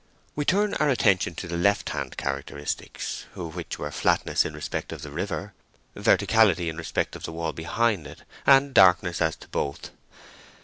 We turn our attention to the left hand characteristics; which were flatness in respect of the river, verticality in respect of the wall behind it, and darkness as to both.